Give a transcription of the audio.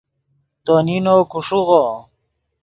تو نینو کو ݰیغو